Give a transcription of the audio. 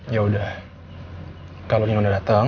ya udah kalau nino udah dateng